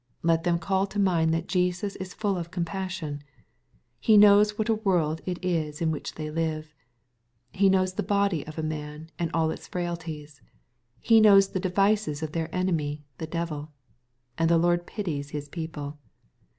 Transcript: Let them call to mind that Jesus is full of '^ compassion." He knows what a world it is in which they live. He knows the body of a man and all its frailties. He knows the devices of their enemy, the devil. And the Lord pities His people.